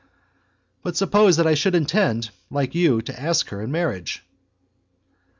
"But suppose that I should intend, like you, to ask her in marriage?"